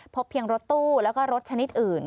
เพียงรถตู้แล้วก็รถชนิดอื่น